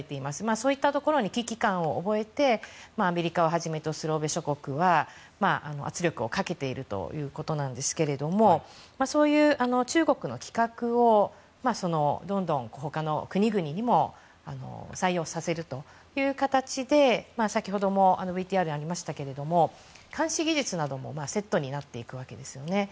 そういったところに危機感を覚えてアメリカをはじめとする欧米諸国は圧力をかけているということなんですがそういう中国の規格をどんどん他の国々にも採用させるという形で先ほどもＶＴＲにありましたけど監視技術などもセットになっていくわけですね。